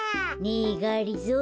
ねえがりぞー。